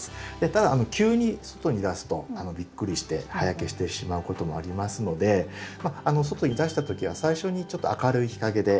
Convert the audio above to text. ただ急に外に出すとびっくりして葉焼けしてしまうこともありますので外に出した時は最初にちょっと明るい日陰で。